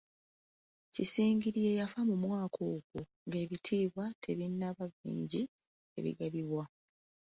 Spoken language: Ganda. Kisingiri ye yafa mu mwaka ogwo, ng'ebitiibwa tebinnaba bingi ebigabibwa.